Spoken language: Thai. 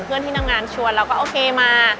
เพื่อนที่ทำงานชวนเราก็โอเคมา